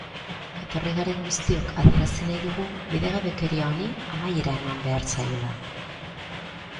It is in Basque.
Etorri garen guztiok adierazi nahi dugu bidegabekeria honi amaiera eman behar zaiola.